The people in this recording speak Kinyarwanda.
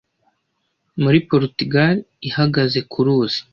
muri Porutugali ihagaze ku ruzi